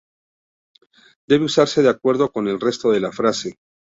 debe usarse de acuerdo con el resto de la frase